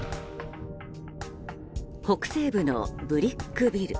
北西部のブリックビル。